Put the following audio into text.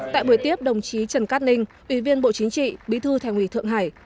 tại buổi tiếp đồng chí trần cát ninh ủy viên bộ chính trị bí thư thành ủy thượng hải